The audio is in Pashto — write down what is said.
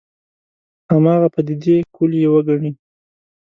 هماغه پدیدې کُل یې وګڼي.